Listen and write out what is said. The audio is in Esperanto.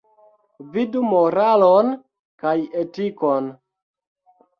Vidu moralon kaj etikon.